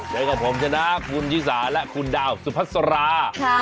ในกับผมจะได้คุณยิสาและคุณดาวสุพัสสลา